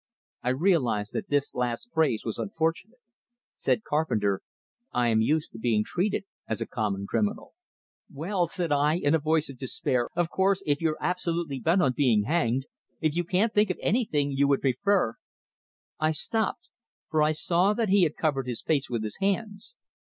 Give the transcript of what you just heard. I realized that this last phrase was unfortunate. Said Carpenter: "I am used to being treated as a common criminal." "Well," said I, in a voice of despair, "of course, if you're absolutely bent on being hanged if you can't think of anything you would prefer " I stopped, for I saw that he had covered his face with his hands.